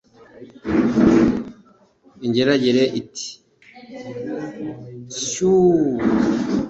” Ingeragere iti “Shyuuuu!!